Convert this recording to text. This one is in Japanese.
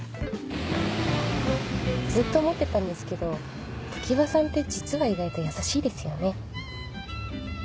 ずっと思ってたんですけど常葉さんって実は意外と優しいですよね。